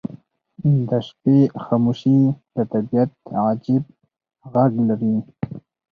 • د شپې خاموشي د طبیعت عجیب غږ لري.